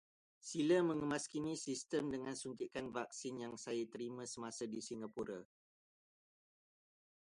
Sila mengemaskinikan sistem dengan suntikan vaksin yang saya terima semasa di Singapura.